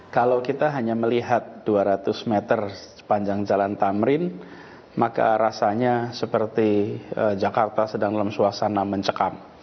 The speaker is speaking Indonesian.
kalau kita hanya melihat dua ratus meter sepanjang jalan tamrin maka rasanya seperti jakarta sedang dalam suasana mencekam